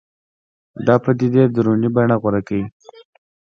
دا پدیدې دروني بڼه غوره کوي